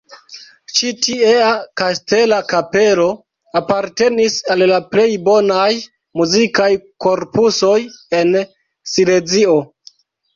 Ĉi tiea kastela kapelo apartenis al la plej bonaj muzikaj korpusoj en Silezio.